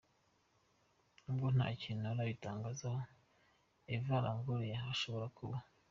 Nubwo ntakintu arabitangazaho Eva Longoria ashobora kuba.